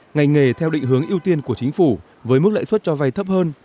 ngành nghề theo định hướng ưu tiên của chính phủ với mức lãi suất cho vay thấp hơn